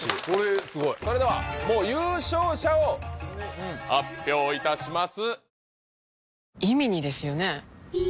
それではもう優勝者を発表いたします。